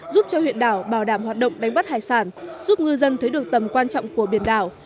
giúp cho huyện đảo bảo đảm hoạt động đánh bắt hải sản giúp ngư dân thấy được tầm quan trọng của biển đảo